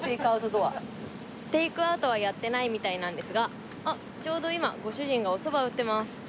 テイクアウトはやってないみたいなんですがあっちょうど今ご主人がおそば打ってます。